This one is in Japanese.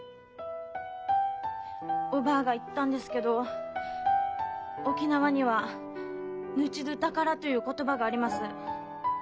おばぁが言ったんですけど沖縄には「命どぅ宝」という言葉があります。